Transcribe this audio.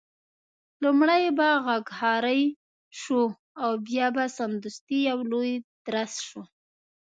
لومړی به غږهارۍ شو او بیا به سمدستي یو لوی درز شو.